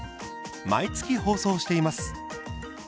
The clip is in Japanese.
毎月、放送しています。